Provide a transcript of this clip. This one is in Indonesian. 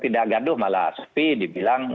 tidak gaduh malah sepi dibilang